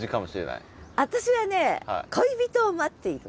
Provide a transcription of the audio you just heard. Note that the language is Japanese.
私はね恋人を待っている。